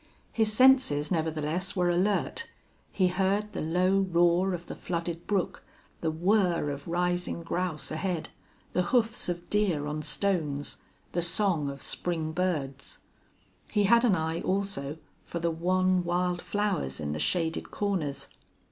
His senses, nevertheless, were alert. He heard the low roar of the flooded brook, the whir of rising grouse ahead, the hoofs of deer on stones, the song of spring birds. He had an eye also for the wan wild flowers in the shaded corners.